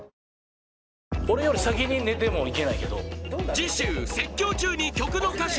次週説教中に曲の歌詞